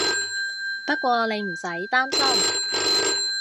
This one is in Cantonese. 不過你唔使擔心